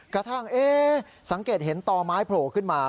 กระทั่งสังเกตเห็นต่อไม้โผล่ขึ้นมา